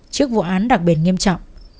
trước vụ án đặc biệt nghiêm trọng